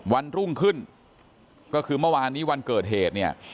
วันรุ่งขึ้นก็คือเมื่อวานนี้วันเกิดเหตุเนี่ย